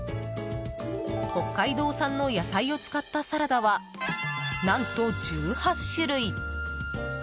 北海道産の野菜を使ったサラダは何と１８種類！